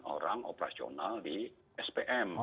orang operasional di spm